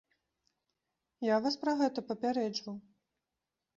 Я вас пра гэта папярэджваў.